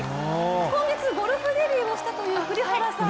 今月ゴルフデビューをなさったという栗原さん